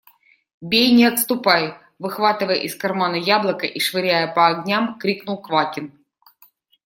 – Бей, не отступай! – выхватывая из кармана яблоко и швыряя по огням, крикнул Квакин.